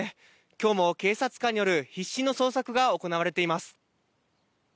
きょうも警察官による必死の捜索が行われています。